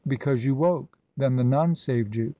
"Because you woke. Then the nun saved you.